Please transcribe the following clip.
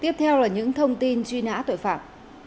tiếp theo là những thông tin truy nã tội phạm